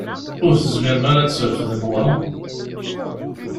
Ur tezmirem ara ad trefdem wa?